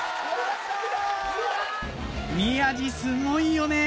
宮治すごいよね